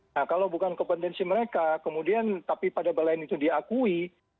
nah kalau bukan kompetensi mereka kemudian tapi pada balaian itu diakui